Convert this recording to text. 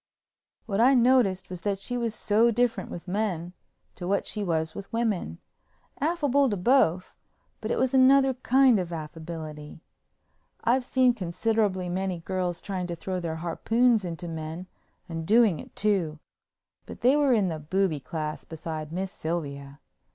What I noticed was that she was so different with men to what she was with women—affable to both, but it was another kind of affability. I've seen considerably many girls trying to throw their harpoons into men and doing it too, but they were in the booby class beside Miss Sylvia.